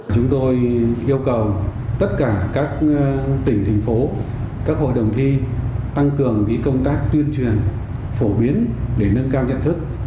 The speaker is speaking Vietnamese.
chúng tôi yêu cầu tất cả các tỉnh thành phố các hội đồng thi tăng cường công tác tuyên truyền phổ biến để nâng cao nhận thức